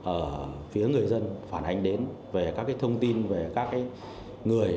ở phía người dân phản ánh đến về các thông tin về các người